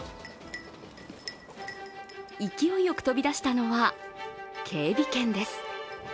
勢いよく飛び出したのは警備犬です。